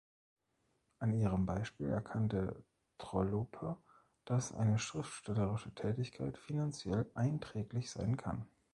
An ihrem Beispiel erkannte Trollope, dass eine schriftstellerische Tätigkeit finanziell einträglich sein kann.